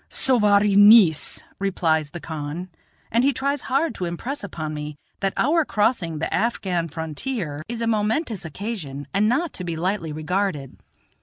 "Sowari neis," replies the khan; and he tries hard to impress upon me that our crossing the Afghan frontier is a momentous occasion, and not to be lightly regarded.